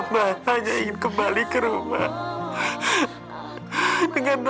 amba hanya ingin kembali ke rumah dengan tajwa